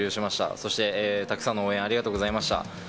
そしてたくさんの応援ありがとうございました。